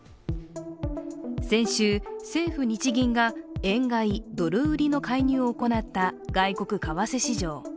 先週、政府・日銀が円買い・ドル売りの介入を行った外国為替市場。